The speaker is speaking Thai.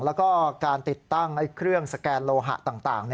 แล้วก็การติดตั้งเครื่องสแกนโลหะต่าง